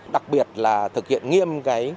đặc biệt là thực hiện nghiêm